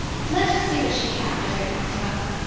Let her see what she can, I don't mind her.